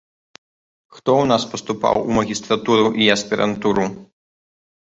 Хто ў нас паступаў у магістратуру і аспірантуру?